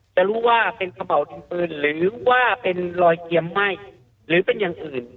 จะรู้ว่าเป็นขม่าวดินปืนหรือว่าเป็นรอยเกียมไหม้หรือเป็นอย่างอื่น